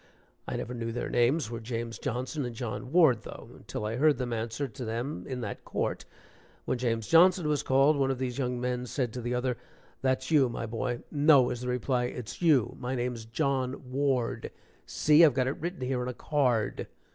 I never knew their names were James Johnson and John Ward, though, until I heard them answer to them in that court. When James Johnson was called, one of these young men said to the other: "That's you, my boy." "No," was the reply, "it's you my name's John Ward see, I've got it written here on a card."